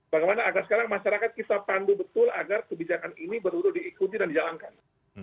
bagaimana agar sekarang masyarakat bisa pandu betul agar kebijakan ini benar benar diikuti dan dijalankan